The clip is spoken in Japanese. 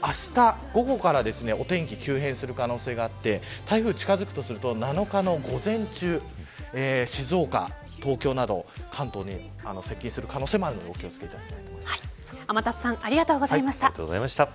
あした、午後からお天気急変する可能性があって台風が近づくとすると７日の午前中静岡、東京など関東に接近する可能性もあるので天達さんありがとうございました。